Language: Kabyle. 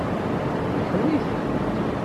Iḥemmel-itent?